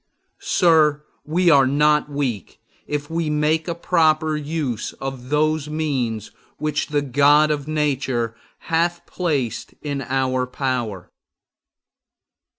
Sir, we are not weak if we make a proper use of those means which the God of Nature hath placed in our power.